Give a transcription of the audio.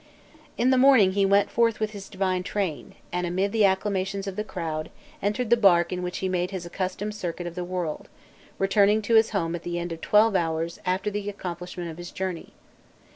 In the morning he went forth with his divine train, and, amid the acclamations of the crowd, entered the bark in which he made his accustomed circuit of the world, returning to his home at the end of twelve hours after the accomplishment of his journey.